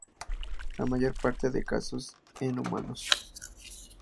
La mayor parte de casos en humanos.